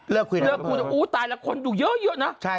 เลือกคุณอู้ตายแล้วคนดูเยอะนะ